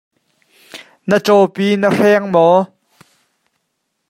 Na cawpi na hreng maw?